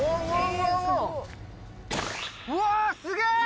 うわすげぇ！